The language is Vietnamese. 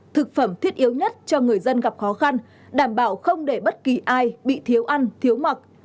thực phẩm thiết yếu nhất cho người dân gặp khó khăn đảm bảo không để bất kỳ ai bị thiếu ăn thiếu mặc